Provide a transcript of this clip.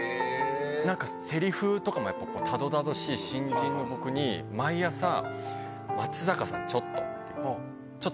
なんかせりふとかもやっぱたどたどしい新人の僕に、毎朝、松坂さん、ちょっとって。